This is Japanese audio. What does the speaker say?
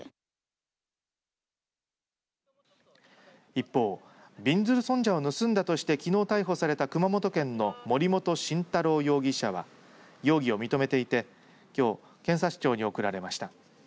一方、びんずる尊者を盗んだとしてきのう逮捕された熊本県の森本晋太郎容疑者は容疑を認めていてきょう、検察庁に送られました。